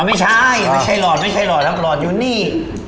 ไม่ใช่ไม่ใช่หลอดหลอดอยู่นี่